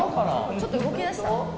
ちょっと動きだした。